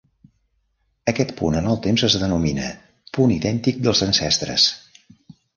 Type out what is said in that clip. Aquest punt en el temps es denomina "punt idèntic dels ancestres".